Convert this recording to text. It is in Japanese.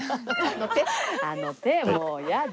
あの手もうやだ。